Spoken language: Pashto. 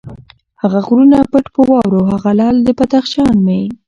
هغه غرونه پټ په واورو، هغه لعل د بدخشان مي